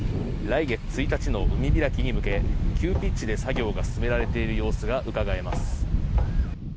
来月１日の海開きに向け急ピッチで作業が進められている様子がうかがえます。